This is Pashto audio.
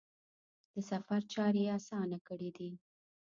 د سفر چارې یې اسانه کړي دي.